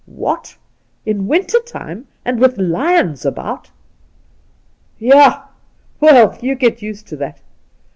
' What, in winter time, and with lions about V The Outspan ' Yah ! Well, you get used to that.